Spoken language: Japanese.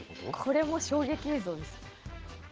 これも衝撃映像です。